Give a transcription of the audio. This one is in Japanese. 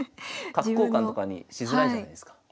角交換とかにしづらいじゃないですか。